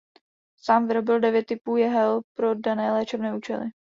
Sám vyrobil devět typů jehel pro dané léčebné účely.